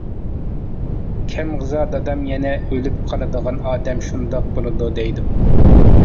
كەم غىزا، دادام يەنە: «ئۆلۈپ قالىدىغان ئادەم شۇنداق بولىدۇ» دەيدۇ.